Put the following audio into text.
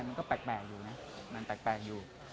มันก็แปลกอยู่นะมันแปลกอยู่